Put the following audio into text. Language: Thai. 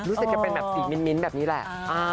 รู้สึกจะเป็นแบบสีมิ้นแบบนี้แหละ